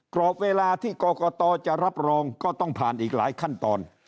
กรอบเวลาที่กรกตจะรับรองก็ต้องผ่านอีกหลายขั้นตอน